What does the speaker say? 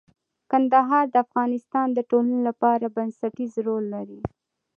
کندهار د افغانستان د ټولنې لپاره بنسټيز رول لري.